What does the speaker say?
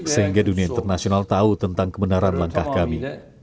sehingga dunia internasional tahu tentang kebenaran langkah kami